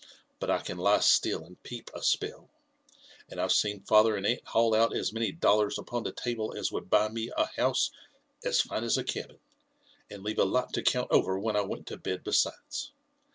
But I can lie still and peep a spell ; and I've seen father and aunt haul out as many dollars upon the table as would buy me a house as fine as a cabin, and leave a lot to count over when I went to bed besides.